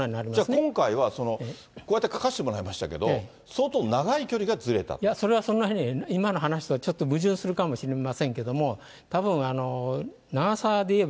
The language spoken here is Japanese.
今回はこうやって書かせてもらいましたけど、相当長い距離がそれはそんなふうに、今の話とはちょっと矛盾するかもしれませんけど、たぶん、長さでいえば